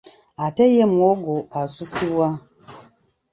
Ate ye muwogo asusibwa.